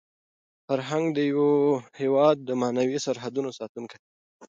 فرهنګ د یو هېواد د معنوي سرحدونو ساتونکی دی.